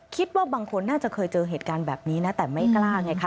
คิดว่าบางคนน่าจะเคยเจอเหตุการณ์แบบนี้นะแต่ไม่กล้าไงคะ